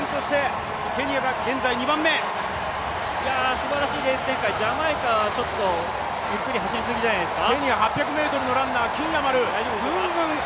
すばらしいレース展開、ジャマイカちょっとゆっくり走りすぎじゃないですか。